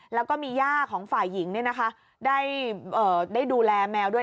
แล้วก็มีย่าของฝ่ายหญิงได้ดูแลแมวด้วย